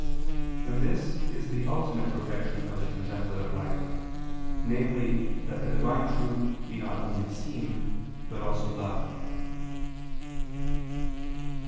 And this is the ultimate perfection of the contemplative life, namely that the Divine truth be not only seen but also loved.